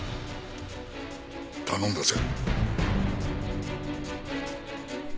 頼んだぜ。